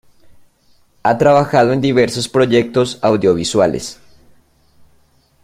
Ha trabajado en diversos proyectos audiovisuales.